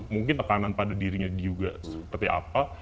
mungkin tekanan pada dirinya juga seperti apa